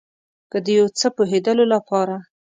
که د یو څه پوهیدلو لپاره